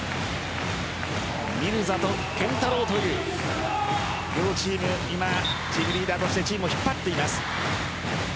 ミルザと健太郎という両チーム、今チームリーダーとしてチームを引っ張っています。